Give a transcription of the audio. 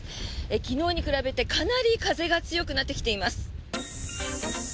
昨日に比べてかなり風が強くなってきています。